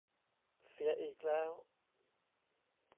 เสียอีกแล้ว